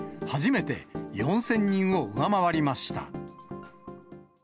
初めて４０００人を上回りました。